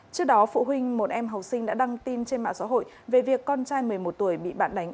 trước đó phụ huynh một em học sinh đã đăng tin trên mạng xã hội về việc con trai một mươi một tuổi bị bạn đánh